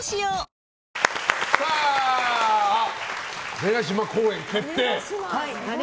種子島公演決定。